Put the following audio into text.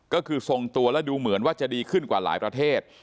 ก็คือทรงตัวและดูเหมือนว่าจะดีขึ้นกว่าหลายประเทศ